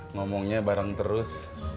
ngomongnya bareng terus